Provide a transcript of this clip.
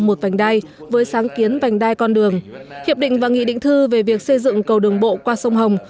một vành đai với sáng kiến vành đai con đường hiệp định và nghị định thư về việc xây dựng cầu đường bộ qua sông hồng